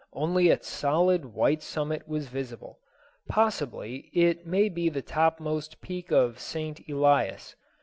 Only its solid white summit was visible. Possibly it may be the topmost peak of St. Elias.